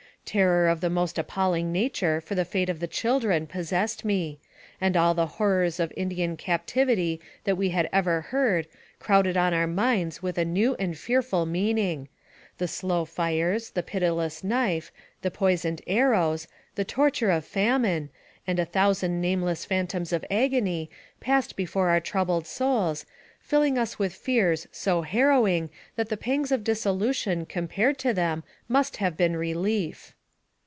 Terror of the most appalling nature for the fate of the children possessed me, and all the horrors of Indian captivity that we had ever heard crowded on our minds with a new and fearful meaning the slow fires, the pitiless knife, the poisoned arrows, the torture of famine, and a thousand nameless phantoms of agony passed before our troubled souls, filling us with fears so harrowing that the pangs of dissolution compared to them must have been relief.